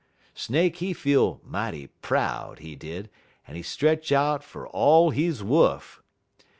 Snake he feel mighty proud, he did, en he stretch out fer all he wuff.